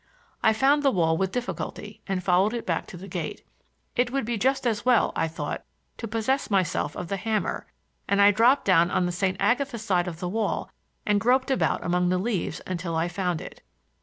I found the wall with difficulty and followed it back to the gate. It would be just as well, I thought, to possess myself of the hammer; and I dropped down on the St. Agatha side of the wall and groped about among the leaves until I found it.